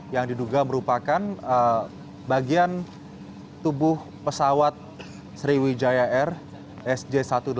yang diduga merupakan bagian tubuh pesawat sriwijaya air sj satu ratus delapan puluh